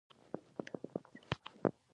چينکه زرغونه ده